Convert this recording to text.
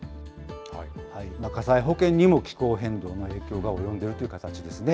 火災保険にも気候変動の影響が及んでいるという形ですね。